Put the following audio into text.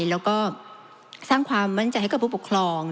แล้วก็สร้างความมั่นใจให้กับผู้ปกครอง